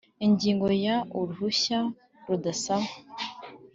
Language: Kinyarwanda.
Ingingo ya uruhushya rudasaba